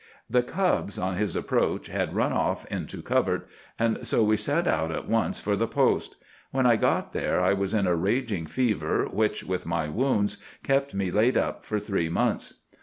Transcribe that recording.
"'The cubs, on his approach, had run off into covert, so we set out at once for the post. When I got there I was in a raging fever which, with my wounds, kept me laid up for three months.